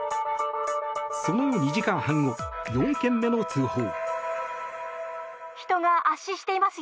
その２時間半後、４件目の通報。